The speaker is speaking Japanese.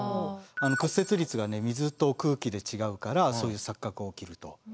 屈折率が水と空気で違うからそういう錯覚が起きると。